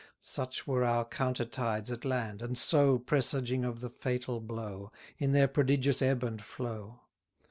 Such were our counter tides at land, and so Presaging of the fatal blow, In their prodigious ebb and flow.